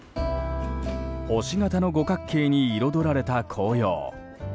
星形の五角形に彩られた紅葉。